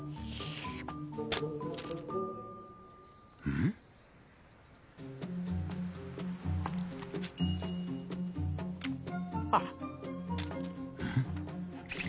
ん？あ！んん？